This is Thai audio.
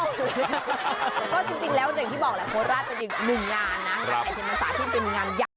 ก็จริงแล้วอย่างที่บอกแหละโฟราสจะเป็นหนึ่งงานนะในอาทิมสาธิตเป็นงานยักษ์